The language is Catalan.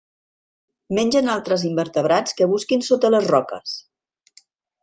Mengen altres invertebrats que busquin sota les roques.